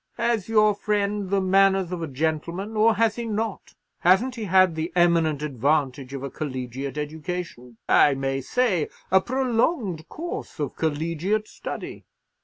"Has your friend the manners of a gentleman, or has he not? Hasn't he had the eminent advantage of a collegiate education—I may say, a prolongued course of collegiate study?